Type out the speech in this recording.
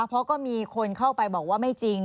เพราะก็มีคนเข้าไปบอกว่าไม่จริง